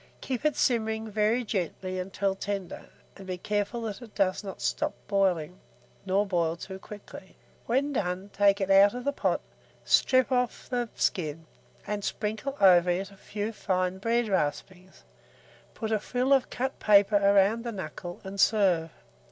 Keep it simmering very gently until tender, and be careful that it does not stop boiling, nor boil too quickly. When done, take it out of the pot, strip off the skin, and sprinkle over it a few fine bread raspings, put a frill of cut paper round the knuckle, and serve.